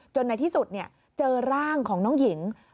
ในที่สุดเจอร่างของน้องหญิง